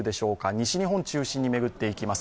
西日本中心に巡っていきます。